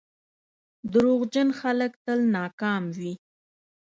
• دروغجن خلک تل ناکام وي.